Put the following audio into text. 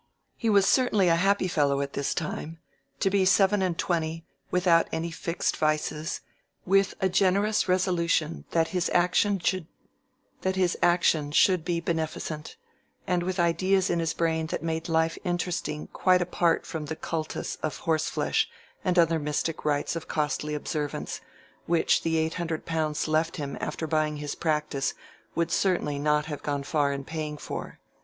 He was certainly a happy fellow at this time: to be seven and twenty, without any fixed vices, with a generous resolution that his action should be beneficent, and with ideas in his brain that made life interesting quite apart from the cultus of horseflesh and other mystic rites of costly observance, which the eight hundred pounds left him after buying his practice would certainly not have gone far in paying for.